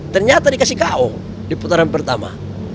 ternyata dikasih ko di putaran pertama